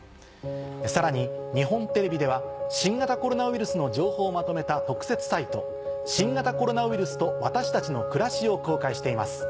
さらに日本テレビでは新型コロナウイルスの情報をまとめた。を公開しています。